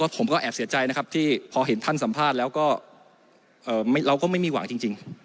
ผมก็แอบเสียใจนะครับที่พอเห็นท่านสัมภาษณ์แล้วก็เราก็ไม่มีหวังจริง